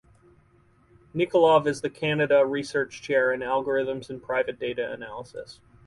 Nikolov is the Canada Research Chair in Algorithms and Private Data Analysis.